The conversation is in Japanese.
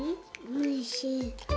おいしい。